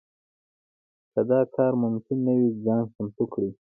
که دا کار ممکن نه وي ځان چمتو کړي.